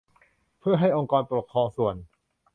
เพื่อให้องค์กรปกครองส่วน